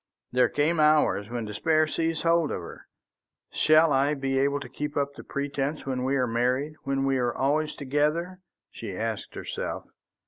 There came hours when despair seized hold of her. "Shall I be able to keep up the pretence when we are married, when we are always together?" she asked herself.